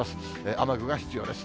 雨具が必要です。